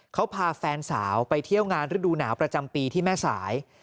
เขาพาแฟนสาวไปเที่ยวงานฤดูหนาวประจำปีที่แม่สาย